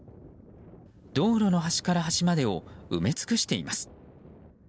道路の端から端までを埋め尽くしています。